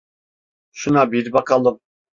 Şuna bir bakalım.